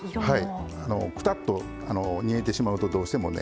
くたっと煮えてしまうとどうしてもね。